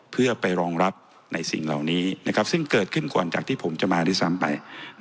เพื่อไปรองรับในสิ่งเหล่านี้ซึ่งเกิดขึ้นก่อนจากที่ผมจะมาด้วยซ้ำไป